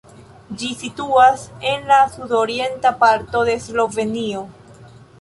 Ĝi situas en la sudorienta parto de Slovenio.